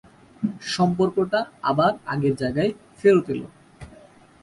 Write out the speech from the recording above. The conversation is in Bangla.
সম্পর্কটা আবার আগের জায়গায় ফেরত এলো।